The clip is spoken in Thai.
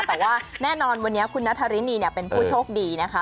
แต่ว่าแน่นอนวันนี้คุณนัทธารินีเป็นผู้โชคดีนะคะ